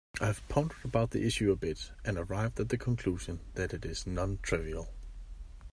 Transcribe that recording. I have pondered about the issue a bit and arrived at the conclusion that it is non-trivial.